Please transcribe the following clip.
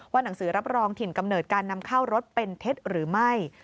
หนังสือรับรองถิ่นกำเนิดการนำเข้ารถเป็นเท็จหรือไม่